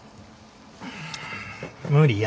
無理や。